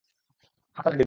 হাত ছাড়া যাবে না কিন্তু।